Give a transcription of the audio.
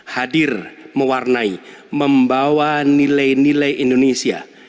hadir mewarnai membawa nilai nilai indonesia